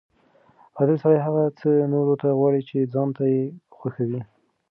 عادل سړی هغه څه نورو ته غواړي چې ځان ته یې خوښوي.